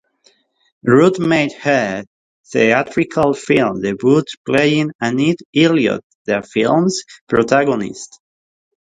Root made her theatrical film debut playing Anne Elliot, the film's protagonist.